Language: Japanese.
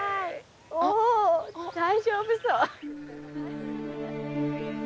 お大丈夫そう。